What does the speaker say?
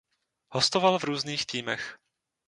Hostoval v různých týmech.